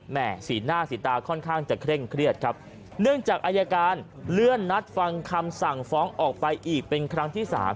สีหน้าสีตาค่อนข้างจะเคร่งเครียดครับเนื่องจากอายการเลื่อนนัดฟังคำสั่งฟ้องออกไปอีกเป็นครั้งที่สาม